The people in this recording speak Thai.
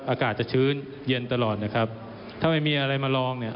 อากาศจะชื้นเย็นตลอดนะครับถ้าไม่มีอะไรมาลองเนี่ย